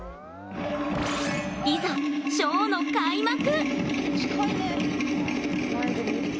いざ、ショーの開幕。